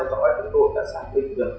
chúng tôi đã sản lý được